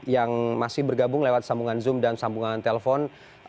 yang masih bergabung lewat sambungan zoom dan sambungan telepon